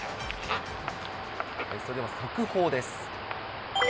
それでは速報です。